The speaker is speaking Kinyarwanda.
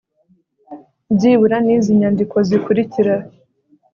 byibura n izi nyandiko zikurira